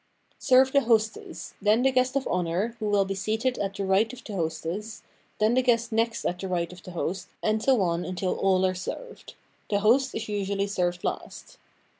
Serve the hostess, then the guest of honor, who will be seated at the right of the hostess, then the guest next at the right of the host, and so on until all are served. The host is usually served last.